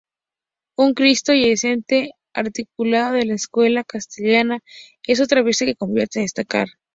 Un Cristo Yacente articulado, de la escuela castellana, es otra pieza que conviene destacar.